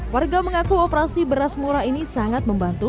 warga mengaku operasi beras murah ini sangat membantu